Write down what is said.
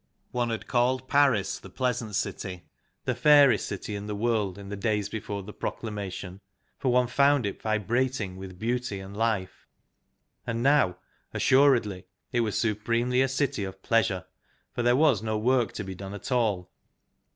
One had called Paris the pleasant city, the fairest city in the world, in the days before the Proclamation; for one found it vibrating with beauty and life. And now assuredly it was supremely a city of pleasure, for there was no work to be done at all.